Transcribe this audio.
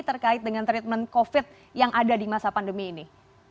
terkait dengan treatment covid yang ada di masa pandemi ini